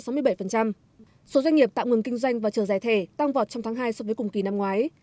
số doanh nghiệp tạm ngừng kinh doanh và chờ giải thể tăng vọt trong tháng hai so với cùng kỳ năm ngoái